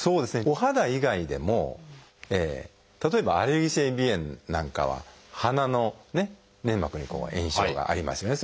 お肌以外でも例えばアレルギー性鼻炎なんかは鼻の粘膜に炎症がありますよね。